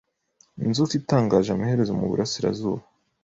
inzoka itangaje Amaherezo mu burasirazuba